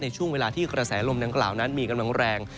ช่วงเวลาที่กระแสลมดังกล่าวนั้นมีกำลังแรง